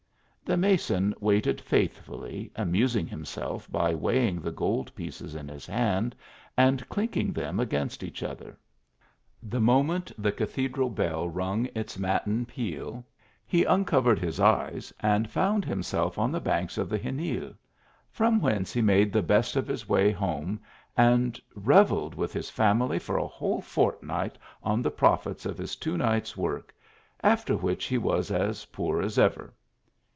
The mason waited faithfully, amusing himself by weighing the gold pieces in his hand and clinking ADVENTURE OF THE MASON, 81 .hem against each other. The moment the cathe dral bell rung its matin peal, he uncovered his eyes and found himself on the banks of the Xenil ; from whence he made the best of his way home, and rev elled with his family for a whole fortnight on the profits of his two nights work, after which he was as poor as ever.